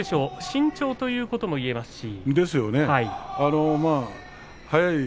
慎重ということも言えますし。